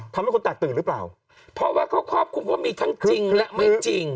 ทำให้คนแตกตื่นหรือเปล่าเพราะว่าเขาครอบคลุมว่ามีทั้งจริงและไม่จริง